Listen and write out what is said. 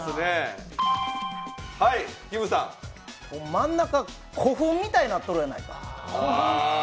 真ん中、古墳みたいになっとるやないか。